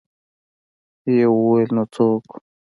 يوه وويل: نو څه وکو؟